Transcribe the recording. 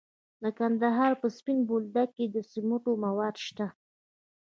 د کندهار په سپین بولدک کې د سمنټو مواد شته.